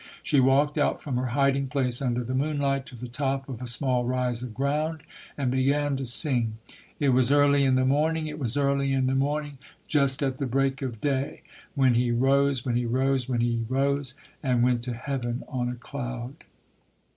She walked out from her hiding place, under the moonlight, to the top of a small rise of ground and began to sing: It was early in the morning it was early in the morning, Just at the break of day When He rose when He rose when He rose And went to heaven on a cloud.